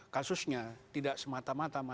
kasusnya tidak semata mata